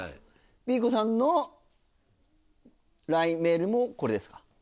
Ｂ子さんのＬＩＮＥメールもこれですか？